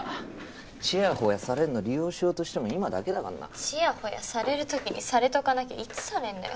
ちやほやされるの利用しようとしても今だけだからな。ちやほやされる時にされとかなきゃいつされるのよ。